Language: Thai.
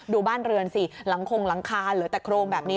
บ้านเรือนสิหลังคงหลังคาเหลือแต่โครงแบบนี้